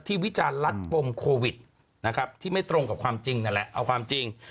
วิจารณรัดปมโควิดนะครับที่ไม่ตรงกับความจริงนั่นแหละเอาความจริง